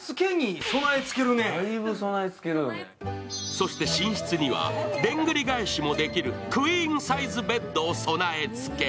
そして寝室には、でんぐり返しもできるクイーンサイズベッドを備え付け。